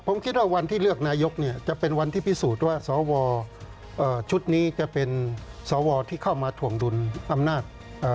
ผมคิดว่าวันที่เลือกนายกเนี่ยจะเป็นวันที่พิสูจน์ว่าสวชุดนี้จะเป็นสวที่เข้ามาถ่วงดุลอำนาจ